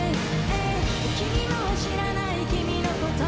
「君も知らない君のこと」